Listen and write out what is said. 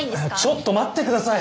ちょっと待って下さい。